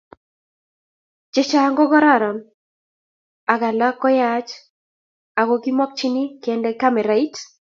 chechang ko kororon ak alak koyach ako kimakchin kende kamerait